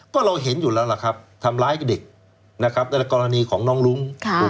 ก็เราเห็นอยู่แล้วล่ะครับทำร้ายเด็กนะครับในกรณีของน้องรุ้ง